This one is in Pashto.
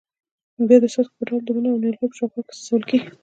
بیا د څاڅکو په ډول د ونو او نیالګیو په شاوخوا کې څڅول کېږي.